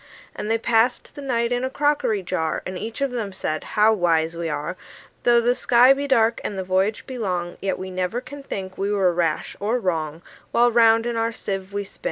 And they passed the night in a crockery jar; And each of them said, "How wise we are! Though the sky be dark, and the voyage be long, Yet we never can think we were rash or wrong, While round in our sieve we spin."